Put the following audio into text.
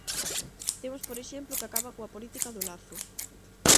Temos por exemplo que acabar coa política do lazo.